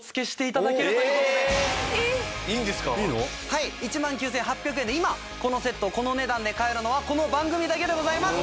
はい１万９８００円で今このセットをこの値段で買えるのはこの番組だけでございます！